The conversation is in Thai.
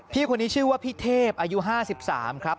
พี่คนนี้ชื่อว่าพี่เทพอายุ๕๓ครับ